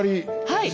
はい！